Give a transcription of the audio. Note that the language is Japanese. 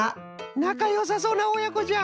なかよさそうなおやこじゃ。